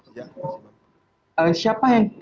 siapa yang sudah konkret